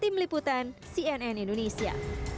tim liputan cnn indonesia